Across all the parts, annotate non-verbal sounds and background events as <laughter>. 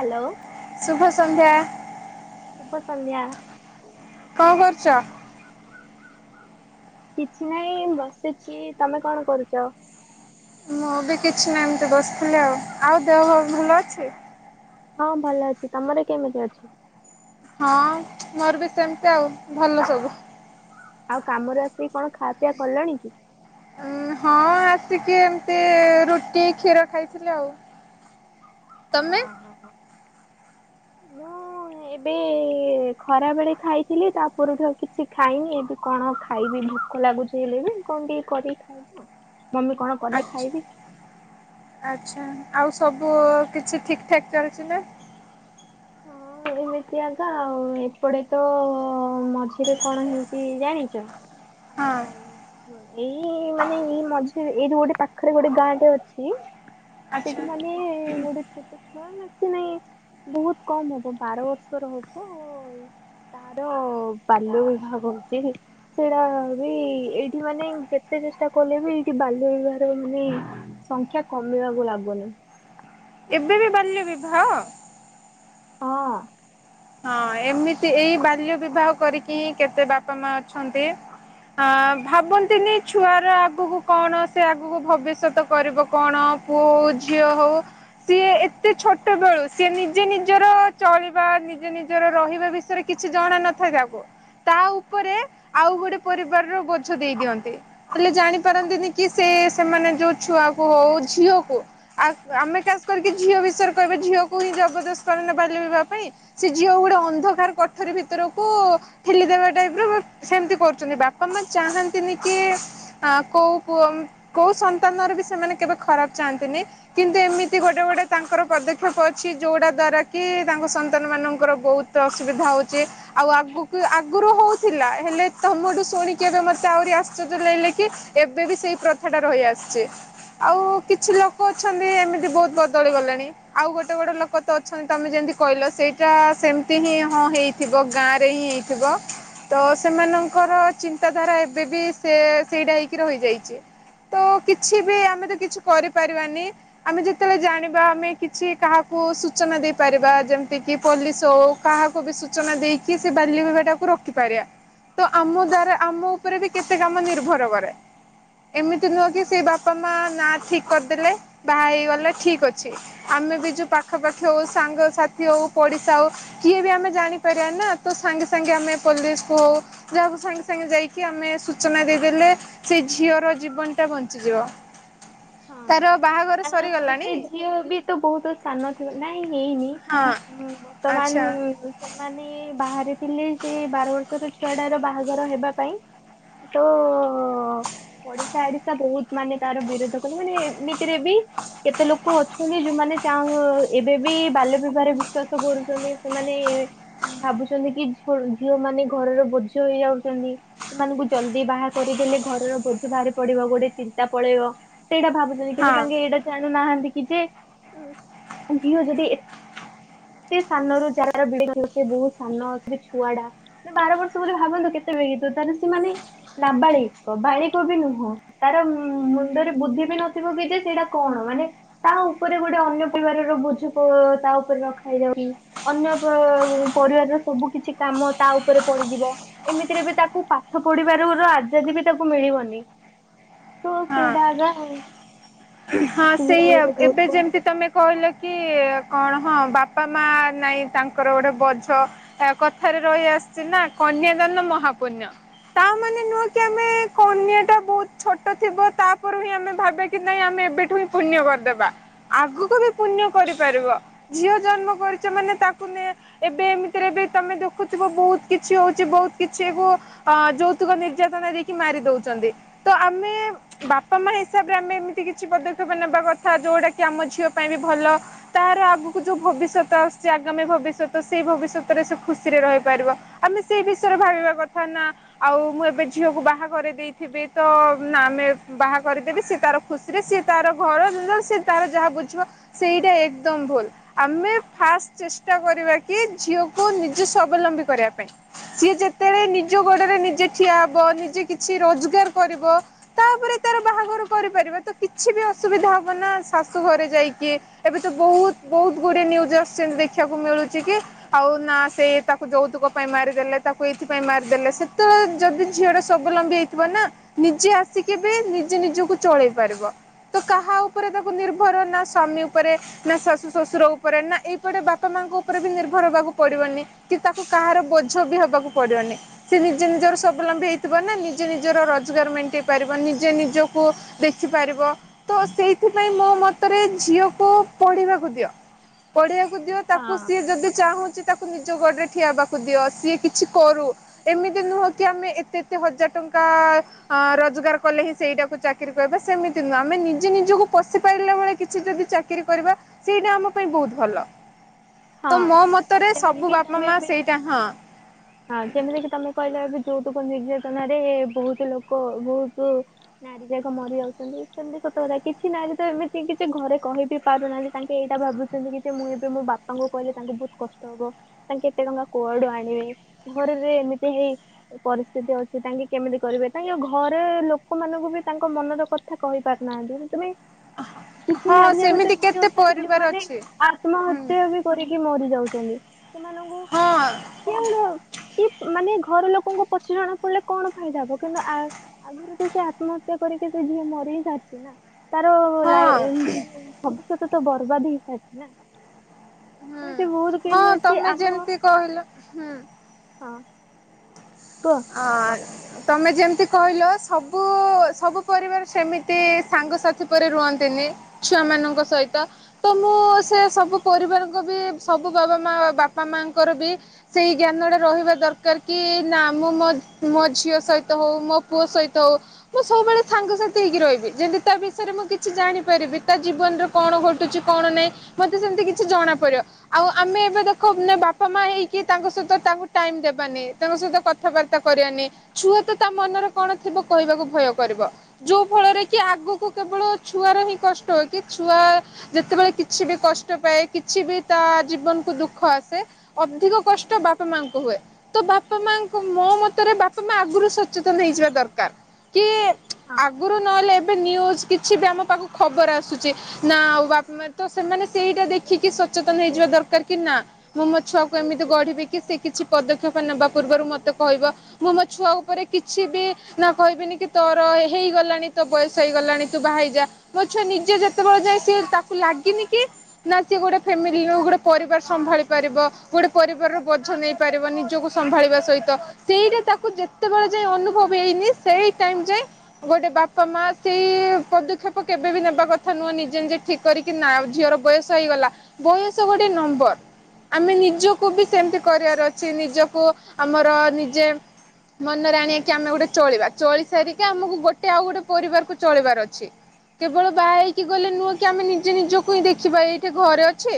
Hello. ଶୁଭ ସନ୍ଧ୍ୟା। ଶୁଭ ସନ୍ଧ୍ୟା। କଣ କରୁଚ? କିଛି ନାଇଁ ବସିଚି ତମେ କଣ କରୁଚ? ମୁଁ ବି କିଛି ନାଇଁ ଏମତି ବସିଥିଲି ଆଉ ଆଉ ଦେହ ଫେଅ ଭଲ ଅଛି। ହଁ ଭଲ ଅଛି ତମର କେମିତି ଅଛି? ହଁ ମୋର ବି ସେମିତି ଆଉ ଭଲ ସବୁ। ଆଉ କାମରେ ଆସିକି କଣ ଖା ପିଆ କଲଣି କି? ଉଁ ହଁ ଆସିକି ଏମତି ରୁଟି କ୍ଷୀର ଖାଇଥିଲି ଆଉ। ତମେ? ହଁ ହଁ ମୁଁ ଏବେ ଖରା ବେଳେ ଖାଇଥିଲି ତା ପରଠୁ ଆଉ କିଛି ଖାଇନି ଏବେ କଣ ଖାଇବି ଭୋକ ଲାଗୁଚି ହେଲେ ବି କଣ ଟିକେ କରିକି ଖାଇବ ଆଉ ମମି କଣ କଲେ ଖାଇବି। ଆଛା ଆଚ୍ଛା ଆଉ ସବୁ କିଛି ଠିକ୍ ଠାକ୍ ଚାଲିଚି ନା? ହଁ। ଏମିତି ଆଜ୍ଞା ଆଉ ଏପଟେ ତ ମଝିରେ କଣ ହେଇଚି ଜାଣିଚ? ହଁ ଆମ ଏଇ ମାନେ ଏଇ ମଝିରେ ଏଇଠି ଗୋଟେ ପାଖରେ ଗୋଟେ ଗାଁଟେ ଅଛି ସେଠି ଆଚ୍ଛା ମାନେ ଗୋଟେ ଛୋଟ ଛୁଆ ବେସି ନାଇଁ ବହୁତ୍ କମ ହବ ବାର ବର୍ଷର ହବ ତାର ବାଲ୍ୟ ବିଭାହ ହଉଚି। ସେଇଟା ବି ଏଇଠି ମାନେ ଯେତେ ଚେଷ୍ଟା କଲେ ବି ଏଇଠି ବାଲ୍ୟ ବିବାହାର ମାନେ ସଂଖ୍ୟା କମିବାକୁ ଲାଗୁନି। ଏବେ ବି ବାଲ୍ୟ ବିବାହ। ହଁ। ହଁ ଏମିତି ଏଇ ବାଲ୍ୟ ବିବାହ କରିକି ହିଁ କେତେ ବାପା ମା ଅଛନ୍ତି ଆ ଭାବନ୍ତିନି ଛୁଆର ଆଗକୁ କଣ ସେ ଆଗକୁ ଭବିଷ୍ୟତକୁ କରିବ କଣ ପୁଅ ହଉ ଝିଅ ହଉ ସିଏ ଏତେ ଛୋଟ ବେଳୁ ସିଏ ନିଜେ ନିଜର ଚଳିବା ନି ନିଜେ ନିଜର ରହିବା ବିଷୟରେ କିଛି ଜଣା ନଥାଏ ତାକୁ ତା ଉପରେ ଆଉ ଗୋଟେ ପରିବାରର ବୋଝ ଦେଇ ଦିଅନ୍ତି। ହେଲେ ଜାଣି ପାରନ୍ତିନି କି ସେ ସେମାନେ ଯୋଉ ଛୁଆକୁ ହଉ ଝିଅକୁ ଆଉ ଆମେ ଖାସ୍ କରିକି ଝିଅ ବିଷୟରେ କହିବା ଝିଅକୁ ହିଁ ଜବରଦସ୍ତ କରିନେ ବାଲ୍ୟ ବିବାହ ପାଇଁ ସେ ଝିଅ ଗୋଟେ ଅନ୍ଧକାର କଠରୀ ଭିତରକୁ ଠେଲିଦବା ଟାଇପ୍ ର ସେମତି କରୁଚନ୍ତି ବାପା ମା ଚାହାନ୍ତିନି କି ଆ କୋଉ ପୁଅ କୋଉ ସନ୍ତାନରେ ବି ସେମାନେ କେବେ ଖରାପ ଚାହାନ୍ତିନି। କିନ୍ତୁ ଏମିତି ଗୋଟେ ଗୋଟେ ତାଙ୍କର ପଦକ୍ଷେପ ଅଛି ଯୋଉଟା ଦ୍ଵାରା କି ତାଙ୍କ ସା ନ୍ତାନମାନଙ୍କର ବହୁତ ଅସୁବିଧା ହେଉଛି। ଆଉ ଆଗକୁ ଆଗରୁ ହୋଉଥିଲା ହେଲେ ତମଠୁ ଶୁଣିକି ଏବେ ମତେ ଆହୁରି ଆଶ୍ଚର୍ଯ୍ୟ ଲାଗିଲା କି ଏବେ ବି ସେଇ ପ୍ରଥା ଟା ରହିଆସିଛି। ଆଉ କିଛି ଲୋକ ଅଛନ୍ତି ଏମିତି ବହୁତ ବଦଳି ଗଲେଣି। ଆଉ ଗୋଟେ ଗୋଟେ ଲୋକ ତ ଅଛନ୍ତି ତମେ ଯେମିତି କହିଲ। ସେଇଟା ସେମିତି ହିଁ ହଁ ହେଇଥିବ ଗାଁରେ ହିଁ ହେଇଥିବ। ତ ସେମାନଙ୍କର ଚିନ୍ତାଧାରା ଏବେ ବି ସେ ସେଇଟା ହେଇକି ରହିଯାଇଛି। ତ କିଛି ବି ହଁ ଆମେ ତ କିଛି କରିପାରିବାନି ଆମେ ଯେତେବେଳେ ଜାଣିବା ଆମେ କିଛି କାହାକୁ ସୂଚନା ଦେଇପାରିବା ଯେମ ତିକି ପୋଲିସ ହୋଉ କାହାକୁ ବି ସୂଚନା ଦେଇକି ସେ ବାଲ୍ୟ ବିବାହ ଟାକୁ ରଖିପାରିବା। ତ ଆମ ଦ୍ଵାରା ଆମ ଉପରେ ବି କେତେ କାମ ନିର୍ଭର କରେ। ଏମିତି ନୁହଁ କି ସେ ହଁ। ବାପା ମା ନା ଠିକ କରିଦେଲେ ବାହା ହେଇଗଲେ ଠିକ ଅଛି ଆମେ ବି ଯୋଉ ପାଖପାଖି ହୋଉ ସାଙ୍ଗସାଥି ଥି ହୋଉ ପଡିଶା ହୋଉ କିଏ ବି ଆମେ ଜାଣିପାରିବା ନା ତ ସାଙ୍ଗେ ସାଙ୍ଗେ ଆମେ ପୋଲିସ କୁ ହୋଉ ଯାହାକୁ ସାଙ୍ଗେ ସାଙ୍ଗେ ଯାଇକି ଆମେ ସୂଚନା ଦେଇଦେଲେ ସେ ଝିଅର ଜୀବନଟା ବଞ୍ଚିଯିବ। ହଁ ତାର ବାହାଘର ଆଉ ସରିଗଲାଣି। ସେ ଝିଅ ବି ତ ବହୁତ ସାନ ଥିବ ନାଇଁ ହେଇନି। ହଁ ବର୍ତ୍ତମାନ ଆଚ୍ଛା ସେମାନେ ବାହାରେଥିଲେ ସେ ବାର ବର୍ଷର ଛୁଆଟାର ବା ହେବା ପାଇଁ ତ ପଡିଶା ଓଡିଶା ବହୁତ ମାନେ ତାର ବିରୋଧ ସେମାନେ ଏମିତିରେ ବି କେତେ ଲୋକ ଅଛନ୍ତି ଯୋଉମାନେ ଚା ଏବେ ବି ବାଲ୍ୟ ବିବାହରେ ବିଶ୍ଵାସ କରୁଛନ୍ତି। ସେମାନେ ଭାବୁଛନ୍ତି କି ଝିଅ ମାନେ ଘରର ବୋଝ ହେଇଯାଉଛନ୍ତି। ସେମାନଙ୍କୁ ଜଲ୍ଦି ବାହା କରିଦେଲେ ଘରର ବୋଝ ବାହାରି ପଡିବ ଗୋଟେ ଚିନ୍ତା ପଳେଇବ। ସେଇଟା ଭାବୁଛନ୍ତି କିନ୍ତୁ ହଁ ତାଙ୍କେ ଏଇଟା ଜାଣୁନାହାନ୍ତି କି ଯେ ଝିଅ ଯଦି ଏତେ ସାନରୁ ଯାର ବହୁତ ସାନ ଆସିବ ଛୁଆଟା। ମ ବାର ବର୍ଷ ବୋଲି ଭାବନ୍ତୁ କେତେ ବେଗିବ ତାହେଲେ ସେମାନେ ନାବାଳିକ ବାଳିକ ବି ନୁହଁ ତାର ମୁଣ୍ଡରେ ବୁଦ୍ଧି ବି ନଥିବ କି ଯେ ସେଇଟା କଣ ମାନେ ତା ଉପରେ ଗୋଟେ ଅନ୍ୟ ପରିବାରର ବୋଝ ତା ଉପରେ ରଖା ହେଇଯାଉଛି। ଅନ୍ୟ ପରିବାରର ସବୁ କିଛି କାମ ତା ଉପରେ ପଡିଯିବ। ଏମିତିରେ ବି ତାକୁ ପାଠ ପଢିବାରୁ ର ଆଜାଦି ବି ତାକୁ ମିଳିବନି। ହ ହଁ। ସେଇଟା ଆଗ ହଁ ସେଇଆ ଏବେ ବଡ ଯେମିତି ତମେ କହିଲେ କି କଣ ହଁ ବାପା ମା ନାଇଁ ତାଙ୍କର ଗୋଟେ ବୋଝ ଆ କଥାରେ ରହିଆସିଛି ନା କନ୍ୟାଦାନ ମହାପୁଣ୍ୟ। ତା ମାନେ ନୁହଁ କି ଆମେ କନ୍ୟା ଟା ବହୁତ ଛୋଟ ଥିବ ତାପରୁ ହିଁ ଆମେ ଭାବିବାକି ନାଇଁ ଆମେ ଏବେ କୁହିଁ ପୁଣ୍ୟ କରିଦେବା। ଆଗକୁ ବି ପୁଣ୍ୟ କରିପାରିବ। ଝିଅ ଜନ୍ମ କରିଛ ମାନେ ତାକୁ ନେଇ ଏବେ ଏମିତିରେ ବି ତମେ ଦେଖୁଥିବ ବହୁତ କିଛି ହୋଉଛି ବହୁତ କିଛି ବୁ ଅ ଯୌତୁକ ନିର୍ଯାତନା ଦେଇକି ମାରି ଦୋଉଛନ୍ତି। ତ ଆମେ ବାପା ମା ହିସାବରେ ଆମେ ଏମିତି କିଛି ପଦକ୍ଷପ ଉ ନେବା କଥା ଯେଉଁଟାକି ଆମ ଝିଅ ପାଇଁ ବି ଭଲ ତାର ଆଗକୁ ଯୋଉ ଭବିଷ୍ୟତ ଆସୁଛି ଆଗାମୀ ଭବିଷ୍ୟତ ସେଇ ଭବିଷ୍ୟତରେ ସେ ଖୁସିରେ ରହିପାରିବ। ଆମେ ସେଇ ବିଷୟରେ ଭାବିବା କଥା ନା ଆଉ ମୁଁ ଏବେ ଝିଅକୁ ବାହା କରିଦେଇଥିବି ତ ନା ଆମେ ବାହା କରିଦେବି ସେ ତାର ଖୁସିରେ ସିଏ ତାର ଘର ସେ ତାର ଯାହା ବୁଝିବ ସେଇଟା ଏକଦମ ଭୁଲ। ଆମେ ଫାଷ୍ଟ ଚେଷ୍ଟା କରିବାକି ଝିଅକୁ ନିଜେ ସ୍ୱାବଲମ୍ବୀ କରିବା ପାଇଁ। ସିଏ ଯେତେବେଳେ ନିଜ ଗୋଡରେ ନିଜେ ଠିଆ ହବ ନିଜେ କିଛି ରୋଜଗାର କରିବ ତାପରେ ତାର ବାହାଘର କରିପାରିବା ତ କିଛି ବି ଅସୁବିଧା ହବ ନା ଶାଶୁ ଘରେ ଯାଇକି ଏବେ ତ ବହୁତ ବହୁତ ଗୁଡିଏ ନିଉଜ ଆସୁଛି ଏମିତି ଦେଖିବାକୁ ମିଳୁଛି କି ଆଉ ନା ସେଇ ତାକୁ ଯୌତୁକ ପାଇଁ ମାରିଦେଲେ ତାକୁ ଏଇଥି ପାଇଁଁ ମାରିଦେଲେ ସେତେବେଳେ ଯଦି ଝିଅଟ ସବଲମ୍ବୀ ହେଇଥିବ ନା ନିଜେ ଆସିକି ବି ନିଜେ ନିଜକୁ ଚଳେଇ ପାରିବ ତ କାହା ଉପରେ ତାକୁ ନିର୍ଭର ନା ସ୍ୱାମୀ ଉପରେ ନା ଶାଶୁ ଶ୍ୱଶୁର ଉପରେ ନା ଏଇପଟେ ବାପା ମାଙ୍କ ଉପରେ ବି ନିର୍ଭର ହବାକୁ ପଡିବନି କି ତାକୁ କାହାର ବୋଝ ବି ହବାକୁ ପଡିବନି। ସେ ନିଜେ ନିଜର ସ୍ୱାବଲମ୍ବୀ ହେଇଥିବ ନା ନିଜେ ନିଜର ରୋଜଗାର ମେଣ୍ଟେଇ ପାରିବ ନିଜେ ନିଜକୁ ଦେଖିପାରିବ ତ ସେଇଥିପାଇଁ ମୋ ମତରେ ଝିଅକୁ ପଢିବାକୁ ଦିଅ ପଢେଇିବାକୁ ଦିିବ ତାକୁ ହଁ ସିଏ ଯଦି ଚାହୁଁଛି ତାକୁ ନିଜ ଗୋଡରେ ଠିଆବାକୁ ଦିଅ ସିଏ କିଛି କରୁ ଏମିତି ନୁହଁ କି ଆମେ ଏତେ ଏତେ ହଜାର ଟଙ୍କା ଅ ରୋଜଗାର କଲେ ହିଁ ସେଇଟାକୁ ଚାକିରି କିବେ ସେମିତି ନୁହଁ ଆମେ ନିଜେ ନିଜକୁ ପଶି ପାରିଲା ବଳେ କିଛି ଯଦି ଚାକିରରି କରିବା। ସେଇଟା ଆମ ପାଇଁ ବହୁତ ଭଲ ହଁ ତ ମୋ ମତରେ ଯେମିତି ସବୁ କିି ବାପା ତମେ ମା ଏବେ ସେଇଟା ହଁ ହଁ ଯେମିତିକି ତମେ କହିଲ ଏ ଯୋଉତୁକ ନିର୍ଯାତନ ାରେ ବହୁତ ଲୋକ ବହୁତ ନାରୀ ଯାକ ମରି ଯାଉଛନ୍ତି ସେମତି କତବ କିଛି ନାରୀ ତ ଏମିତି କିଛି ଘରେ କହିବି। ପାରୁନାହାଁ ତାଙ୍କେ ଏଇଟା ଭାବୁଛନ୍ତି କି ଯେ ମୁଁ ଏବେ ମୋ ବାପା ତାଙ୍କୁ କହିଲେ ତାଙ୍କୁ ବହୁତ କଷ୍ଟ ହବ ତାଙ୍କ କେତେ ଟଙ୍କା କୁଆଡୁ ଆଣିବେ ଘରରେ ଏମିତି ହେଇ ପରିସ୍ଥିତି ଅଛି ତାଙ୍କେ କେମିତି କରିବେ ତାଙ୍କ ଘରେ ଲୋକମାନଙ୍କୁ ବି ତାଙ୍କ ମନର କଥା ଏ କହିପାରୁନାହାନ୍ତି ତୁମେ ଅ କିଛି ନାରୀ ଜାଗତ ଏମିତି ଅଛନ୍ତି ଯୋଉମାନେ ଅଛି ହୁଁ ଆତ୍ମହ୍ୟା ବି କରିକି ମରି ଯାଉଛନ୍ତି ସେମାନଙ୍କୁ ହଁ କେ କି ମାନେ ଘର ଲୋକଙ୍କୁ ପଛ ଜଣା ପଡିଲେ କଣ ଫାଇଦା ହବ କିନ୍ତୁ ଆ ଆଗରୁ ତ ସେ ଆତ୍ମହତ୍ୟା କରିକି ସେ ଝିଅ ମରିି ସାରିଛି ନା ତାର ହଁ ଭବିଷ୍ୟତ ତ ବର୍ବାଦ ହେଇସାରିଛି ନା ହୁଁ ଏମିତି ବହୁତ ହଁ କିହି ଅଉଛି ତମେ ଆମ ଯେମିତି କହିଲ ହୁଁ ହଁ କ ହଁ ତମେ ଯେମିତି କହିଲ ସବୁ ସବୁ ପରିବାର ସେମିତି ସାଙ୍ଗସାଥି ପରେ ରୁହନ୍ତିନି ଛୁଆ ମାନଙ୍କ ସହିତ ତ ମୁଁ ସେ ସବୁ ପରିବାରଙ୍କ ବି ସବୁ ବାବା ମା ବାପା ମାଙ୍କର ବି ସେଇ ଜ୍ଞାନ ଟା ରହିବା ଦରକାର କି ନା ମୁଁ ମୋ ମୋ ଝିଅ ସହିତ ହଉ ମୋ ପୁଅ ସହିତ ହଉ ମୁଁ ସବୁବେଳେ ସାଙ୍ଗସାଥି ହେଇକି ରହିବି ଯେମିତି ତା ବିଷୟରେ ମୁଁ କିଛି ଜାଣିପାରିବି ତା ଜୀବନର କଣ ଘଟୁଛି କଣ ନାହିଁ ମତେ ସେମିତି କିଛି ଜଣାପଡିବ ଆଉ ଆମେ ଏବେ ଦେଖ <unintelligible> ବାପା ମା ହେଇକି ତାଙ୍କ ସହିତ ତାଙ୍କୁ ଟାଇମ ଦେବାନି ତାଙ୍କ ସହିତ କ କଥାବାର୍ତ୍ତା କରିବାନି ଛୁଆ ତ ତା ମନରେ କଣ ଥିବ କହିବାକୁ ଭୟ କରିବ। ଯୋଉ ଫଳରେ କି ଆଗକୁ କେବଳ ଛୁଆର ହିଁ କଷ୍ଟ। କି ଛୁଆ ଯେତେବେଳେ କିଛି ବି କଷ୍ଟ ପାଏ କିଛି ବି ତା ଜୀବନକୁ ଦୁଃଖ ଆସେ ଅଧିକ କଷ୍ଟ ବାପା ମାଙ୍କୁ ହୁଏ। ତ ବାପା ମା ମୋ ମତରେ ବାପା ମା ଆଗରୁ ସଚେତନ ହେଇଯିବା ଦରକାର। କିଏ ହଁ ଆଗରୁ ନହେଲେ <inaudible> ନିଉଜ କିଛି ବି ଆମ ପାଖକୁ ଖବର ଆସୁଛି। ନା ଆଉ ବାପା ମା ତ ସେମାନେ ସେଇଟା ଦେଖିକି ସଚେତନ ହେଇଯିବା ଦରକାର କି ନା ମୁଁ ମୋ ଛୁଆକୁ ଏମିତି ଗଢିବି କି ସେ କିଛି ପଦକ୍ଷେପ ନେବା ପୂର୍ବରୁ ମତେ କହିବ ମୁଁ ମୋ ଛୁଆ ଉପରେ କିଛି ବି ନା କହିବିନି କି ତୋର ହେଇଗଲାଣି ତୋ ବୟସ ହେଇଗଲାଣି ତୁ ବାହା ହେଇଯା। ମୋ ଛୁଆ ନିଜେ ଯେତେବେଳେ ଯାଏ ସିଏ ତାକୁ ଲାଗିନି କି ନା ସିଏ ଗୋଟେ ଫ୍ୟାମିଲି ରୁ ଗୋଟେ ପରିବାର ସମ୍ଭାଳି ପାରିବ ଗୋଟେ ପରିବାରର ବୋଝ ନେଇ ପାରିବ ନିଜକୁ ସମ୍ଭାଳିବା ସହିତ <unintelligible> ସେଇଟା ତାକୁ ଯେତେବେଳେ ଯାଇ ଅନୁଭବ ହେଇନି ସେଇ ଟାଇମ ଯାଏ ଗୋଟେ ବାପା ମା ସେଇ ପଦକ୍ଷେପ କେବେବି ନେବା କଥା ନୁହଁ ନିଜେ ନିଜେ ଠିକ କରିକି ନା ଆଉ ଝିଅର ବୟସ ହେଇଗଲା। ବୟସ ଗୋଟେ ନମ୍ବର। ଆମେ ନିଜକୁ ବି ସେମିତି କରିବାର ଅଛି। ନିଜକୁ ଆମର ନିଜେ ମନରେ ଆଣିବାକି ଆମେ ଗୋଟେ ଚଳିବା। ଚଳି ସାରିକି ଆମୁକୁ ଗୋଟେ ଆଉ ଗୋଟେ ପରିବାରକୁ ଚଳେଇବାର ଅଛି। କେବଳ ବାହା ହେଇକି ଗଲେ ନୁହଁ କି ଆମେ ନିଜେ ନିଜକୁ ହିଁ ଦେଖିବା। ଏଇଠି ଘରେ ଅଛି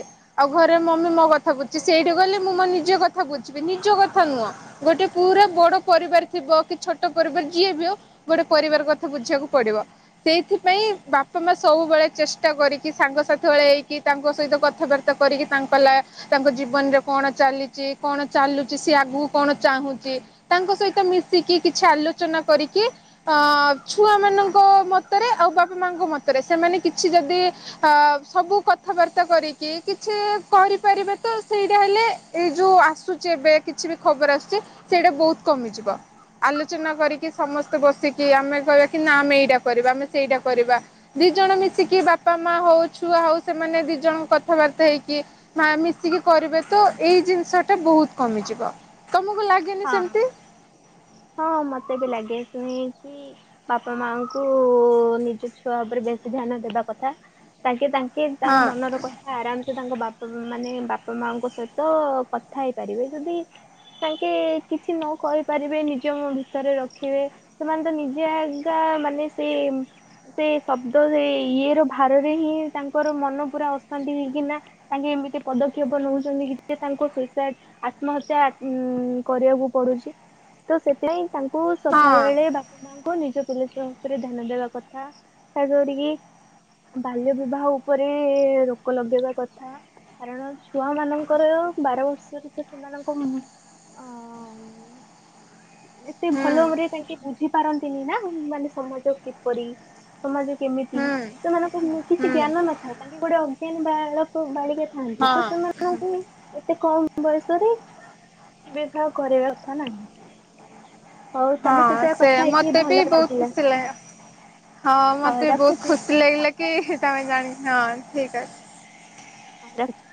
ଆଉ ଘରେ ମମି ମୋ କଥା ବୁଝୁଛିି। ସେଇଠି ଗଲେ ମୁଁ ମୋ ନିଜ କଥା ବୁଝିବି। ନିଜ କଥା ନୁହଁ ଗୋଟେ ପୁରା ବଡ ପରିବାର ଥିବ କି ଛୋଟ ପରିବାର ଯିଏ ବି ହଉ ଗୋଟେ ପରିବାର କଥା ବୁଝିବାକୁ ପଡିବ। ସେଇଥିପାଇଁ ବାପା ମାଆ ସବୁବେଳେ ଚେଷ୍ଟା କରିକି ସାଙ୍ଗସାଥି ଭଳିଆ ହେଇକି ତାଙ୍କ ସହିତ କଥାବାର୍ ର୍ତ୍ତା କରିକି ତାଙ୍କ ଲା ତାଙ୍କ ଜୀବନରେ କଣ ଚାଲିଛି କଣ ଚାଲୁଛି ସିଏ ଆଗୁକୁ କଣ ଚାହୁଁଛି ତାଙ୍କ ସହିତ ମିଶିକି କିଛି ଆଲୋଚନା କରିକି ଅଁ ଛୁଆମାନଙ୍କ ମତରେ ଆଉ ବାପା ମାଆଙ୍କ ମତରେ ସେମାନେ କିଛି ଯଦି ଆଁ ସବୁ କଥାବାର୍ତ୍ତା କରିକି କିଛି କରିପାରିବେ ତ ସେଇଟା ହେଲେ ଏଇ ଯୋଉ ଆସୁଛି ଏବେ କିଛି ବି ଖବର ଆସୁଛି, ସେଇଟା ବହୁତ କମିଯିବ। ଆଲୋଚନା କରିକି ସମସ୍ତେ ବସିକି ଆମେ କହିବା କି ନା ଆମେ ଏଇଟା କରିବା ଆମେ ସେଇଟା କରିବା। ଦି ଜଣ ମିଶିକି ବାପା ମାଆ ହଉ ଛୁଆ ହଉ ସେମାନେ ଦି ଜଣ କଥାବାର୍ତ୍ତା ହେଇକି ମା ମିଶିକି କରିବେ ତ ଏଇ ଜିନିଷଟା ବହୁତ କମିଯିବ। ତମୁକୁ ଲାଗେନି ହଁ। ସେମିତି? ହଁ ମତେ ବି ଲାଗେ ଶୁଣିକି। ବାପା ମାଆଙ୍କୁ ନିଜ ଛୁଆ ଉପରେ ବେଶୀ ଧ୍ୟାନ ଦେବା କଥା। ତାଙ୍କେ ତାଙ୍କେ ହଁ ତାଙ୍କ ମନର କଥା ଆରାମସେ ତାଙ୍କ ବାପ୍ ପା ମାନେ ବାପା ମାଆଙ୍କ ସହିତ କଥା ହେଇପାରିବେ ଯଦି ତାଙ୍କେ କିଛି ନ କହି ପାରିବେ ନି ଜ ମ ଭିତରେ ରଖିବେ ସେମାନେ ତ ନିଜେ ଏକା ମାନେ ସେଇ ଉଁ ସେ ଶବ୍ଦ ସେଇ ଇଏର ଭାରରେ ହିଁ ତାଙ୍କର ମନ ପୁରା ଅଶାନ୍ତି ହେଇକିନା ତାଙ୍କେ ଏମିତି ପଦକ୍ଷେପ ନଉଛନ୍ତି କି ଯେ ତାଙ୍କୁ ସୁଇସାଇଡ୍ ଆତ୍ମହତ୍ୟା ଉଁ କରିବାକୁ ପଡୁଛି। ତ ସେଥିପାଇଁ ତାଙ୍କୁ ହଁ ସଧାବେଳେ ବାପା ମାଆ ଙ୍କୁ ନିଜ ପିଲା ଛୁଆ ଉପରେ ଧ୍ୟାନ ଦେବା କଥା। ଖାସ୍ କରିକି ବାଲ୍ୟ ବିବାହ ଉପରେ ରୋକ ଲଗେଇବା କଥା। କାରଣ ଛୁଆମାନଙ୍କର ବାର ବର୍ଷରେ ତ ସେମାନଙ୍କ ଉଁମ୍ ଆ ଆଁମ୍ ଏତେ ହୁଁ। ଭଲଭାବରେ ତାଙ୍କେ ବୁଝି ପାରନ୍ତିନି ନା ମାନେ ସମାଜ କିପରି? ସମାଜ କେମିତି? ହୁଁ ସେମାନଙ୍କ ଉଁ କିଛି ହୁଁ ଜ୍ଞାନ ନଥାଏ। ତାଙ୍କେ ଗୋଟେ ଅଜ୍ଞାନ ବାଳକ ବାଳିକା ଥାଆନ୍ତି ତ ହଁ ସେମାନଙ୍କୁ ଏତେ କମ୍ ବୟସରେ ବିବାହ କରିବା କଥା ନାହିଁ। ହଉ ହଁ ତମ ସହିତ ସେ କଥା ହେଇକି ମତେ ବି ଭଲ ବହୁତ ଲାଗିଲା ଖୁସି ଲା ହଁ ହଉ ମତେ ବହୁତ ରଖୁଛି। ଖୁସ୍ ସି ଲାଗିଲା କି ହିଁ ତମେ ଜାଣି ହଁ ଠିକ୍ ଅ ଆଁ ରହୁଚି।